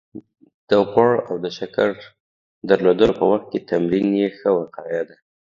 د غوړ او د شکر درلودلو په وخت کې تمرین يې ښه وقايه ده